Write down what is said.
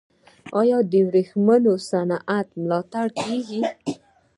آیا د ورېښمو صنعت ملاتړ کیږي؟